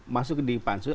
masuk di pansus